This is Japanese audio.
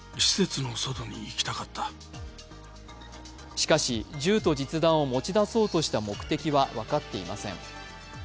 しかし、銃と実弾を持ち出そうとした目的は分かっていません。